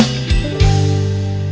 wah ya tuhan